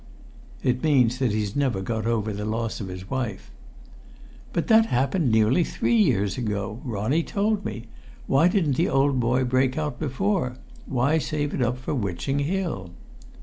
"It means that he's never got over the loss of his wife." "But that happened nearly three years ago. Ronnie told me. Why didn't the old boy break out before? Why save it all up for Witching Hill?"